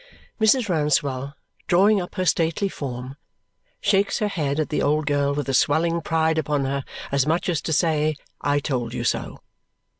'" Mrs. Rouncewell, drawing up her stately form, shakes her head at the old girl with a swelling pride upon her, as much as to say, "I told you so!"